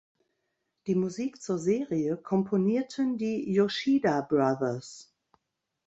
Die Musik zur Serie komponierten die Yoshida Brothers.